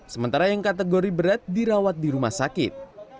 sementara yang kategori berat dirawat di rumah sakit